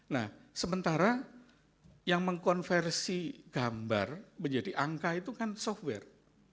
nah sementara yang mengkonversi gambar menjadi angka itu kan software